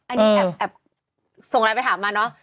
อันนี้แอบทวงอะไรไปถามมาเนอะ